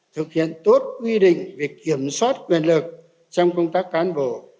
thực hiện tốt quy định về kiểm soát quyền lực trong công tác cán bộ